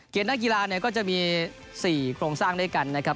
เกณฑ์ด้านกีฬาก็จะมี๔โครงสร้างด้วยกันนะครับ